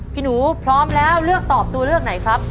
พี่หนูพร้อมแล้วเลือกตอบตัวเลือกไหนครับ